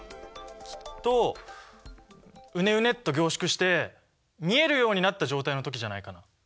きっとウネウネッと凝縮して見えるようになった状態の時じゃないかな？